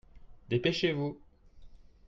Dépêchez-vous !